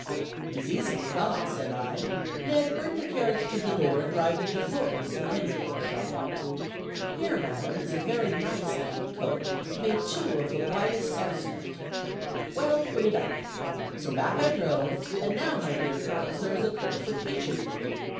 'It is easily got,' said I. 'Ned, bring the carriage to the door and drive me to Thornton's, the petticoat shop.' 'Here, Madam, is a very nice pink coat, made too of the widest sarcenet.' 'Well, put it up.' So back I drove, and now, my dear girls, there is a coat for each of you.